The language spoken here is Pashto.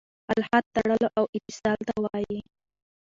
الحاد تړلو او اتصال ته وايي.